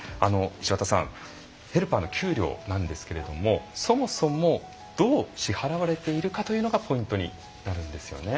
ヘルパーの給料なんですけれどもそもそもどう支払われているかというのがポイントになるんですよね。